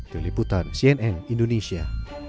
terlibat oleh sdi media